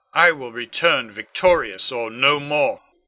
I will return victorious, or no more.